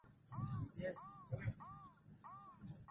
pamoja na opioidi ambayo inaweza kutumika kihalali hupunguza au